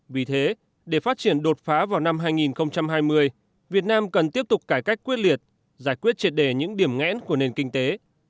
vì thế để phát triển đột phá vào năm hai nghìn hai mươi việt nam cần tiếp tục cải cách quyết liệt giải quyết triệt đề những điểm ngẽn của nền kinh tế